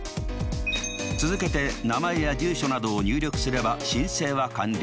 続けて名前や住所などを入力すれば申請は完了。